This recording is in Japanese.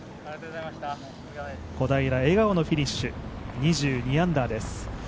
小平、笑顔のフィニッシュ２２アンダーです。